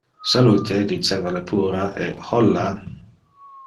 Salute! Diceva le puera, e holla.